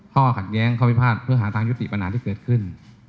ข้อขัดแย้งข้อพิพาทเพื่อหาทางยุติปัญหาที่เกิดขึ้น